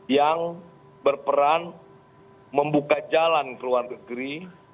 yang berperan membuka jalan keluarga